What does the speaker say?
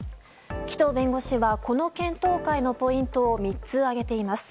紀藤弁護士はこの検討会のポイントを３つ、挙げています。